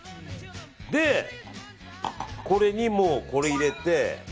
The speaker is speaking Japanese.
で、これにもうこれ入れて。